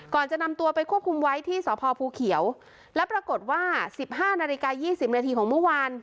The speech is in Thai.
จะนำตัวไปควบคุมไว้ที่สพภูเขียวแล้วปรากฏว่า๑๕นาฬิกา๒๐นาทีของเมื่อวาน